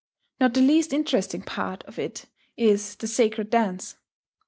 Not the least interesting part of it is the sacred dance.